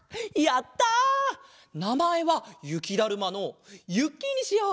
なまえはゆきだるまのゆっきーにしよう。